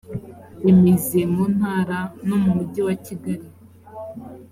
imizi mu ntara no mu mujyi wa kigali